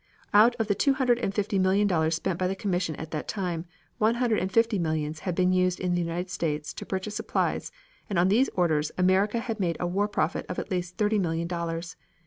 Out of the two hundred and fifty millions of dollars spent by the commission at that time, one hundred and fifty millions had been used in the United States to purchase supplies and on these orders America had made a war profit of at least thirty million dollars.